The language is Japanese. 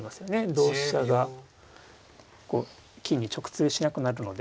同飛車がこう金に直通しなくなるので。